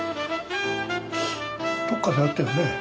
どっかで会ったよね？